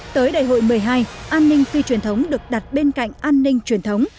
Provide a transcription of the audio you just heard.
tới đại hội một mươi hai an ninh phi truyền thống được đặt bên cạnh an ninh truyền thống